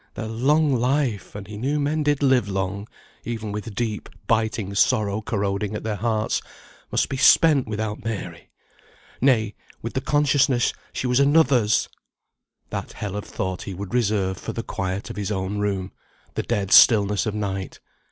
That a long life (and he knew men did live long, even with deep, biting sorrow corroding at their hearts) must be spent without Mary; nay, with the consciousness she was another's! That hell of thought he would reserve for the quiet of his own room, the dead stillness of night.